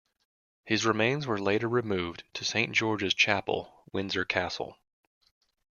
His remains were later removed to Saint George's Chapel, Windsor Castle.